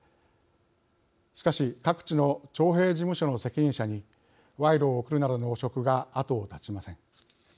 しかし、各地の徴兵事務所の責任者に賄賂を贈るなどの汚職が後を絶ちません。